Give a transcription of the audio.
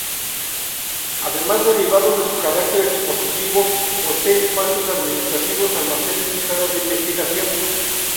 Además, derivado de su carácter expositivo, posee espacios administrativos, almacenes y salas de investigación.